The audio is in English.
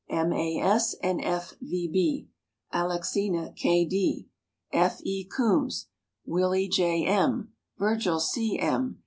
M. A. S., and F. V. B., Alexina K. D., F. E. Coombs, Willie J. M., Virgil C. M.